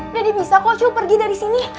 dede bisa kok cu pergi dari sini